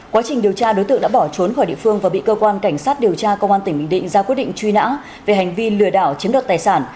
quá trình điều tra đối tượng đã bỏ trốn khỏi địa phương và bị cơ quan cảnh sát điều tra công an tỉnh bình định ra quyết định truy nã về hành vi lừa đảo chiếm đoạt tài sản